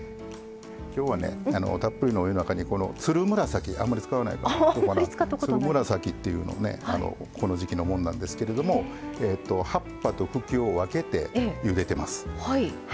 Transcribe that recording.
今日は、たっぷりのお湯の中にこの、つるむらさきあんまり使わないつるむらさきというのをこの時季のものなんですけれども葉っぱと茎を分けてゆでてます。